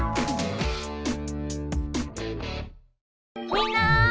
みんな！